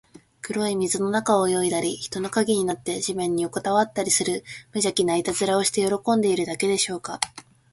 黒い水の中を泳いだり、人の影になって地面によこたわったりする、むじゃきないたずらをして喜んでいるだけでしょうか。